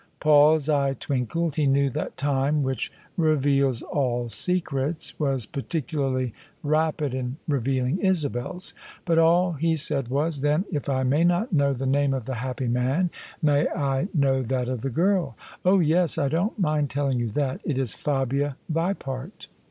Paul's eye twinkled. He knew that time, which reveals THE SUBJECTION all secrets, was particularly rapid in revealing Isabel's. But all he said was: "Then, if I may not know the name of the happy man, may I know that of the girl ?" "Oh, yes I I don't mind telling you that It is Fabia Vipart."